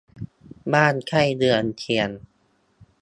บ้านใกล้เรือนเคียง